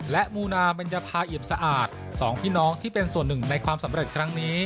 และมูนาเบญภาเอี่ยมสะอาดสองพี่น้องที่เป็นส่วนหนึ่งในความสำเร็จครั้งนี้